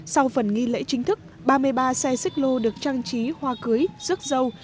sau phần nghi lễ chính thức ba mươi ba xe xích lô được trang trí hoa cưới rước dâu